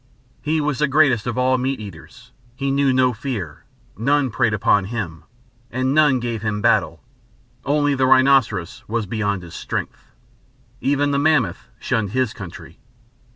He was the greatest of all meat eaters; he knew no fear, none preyed on him, and none gave him battle; only the rhinoceros was beyond his strength. Even the mammoth shunned his country.